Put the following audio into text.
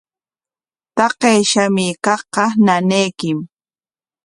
Taqay shamuykaqqa ñañaykim.